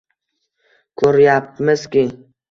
Ko‘ryapmizki